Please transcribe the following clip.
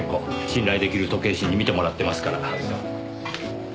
信頼出来る時計師に見てもらってますから。